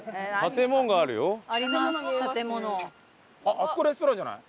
あそこレストランじゃない？